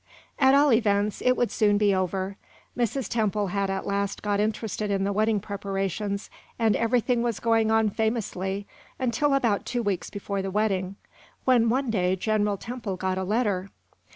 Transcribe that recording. At all events, it would soon be over. Mrs. Temple had at last got interested in the wedding preparations, and everything was going on famously until about two weeks before the wedding, when one day General Temple got a letter.